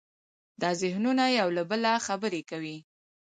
دا ذهنونه یو له بله خبرې کوي.